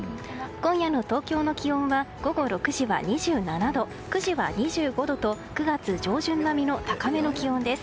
今夜の東京の気温は午後６時は２７度９時は２５度と９月上旬並みの高めの気温です。